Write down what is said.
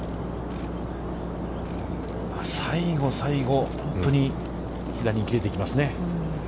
最後の最後、本当に左に切れていきますね。